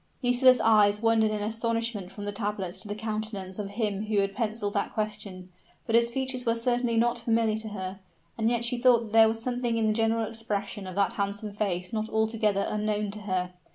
Nisida's eyes wandered in astonishment from the tablets to the countenance of him who had penciled that question; but his features were certainly not familiar to her and yet she thought that there was something in the general expression of that handsome face not altogether unknown to her.